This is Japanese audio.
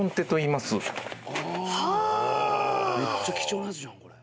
めっちゃ貴重なやつじゃんこれ。